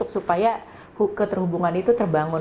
supaya keterhubungan itu terbangun